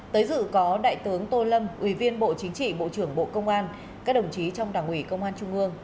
tới dự có đại tướng tô lâm ủy viên bộ chính trị bộ trưởng bộ công an các đồng chí trong đảng ủy công an trung ương